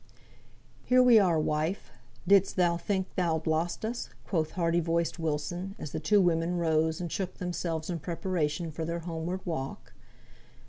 "Here we are, wife; didst thou think thou'd lost us?" quoth hearty voiced Wilson, as the two women rose and shook themselves in preparation for their homeward walk.